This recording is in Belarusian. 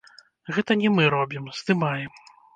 Гэта не мы робім, здымаем.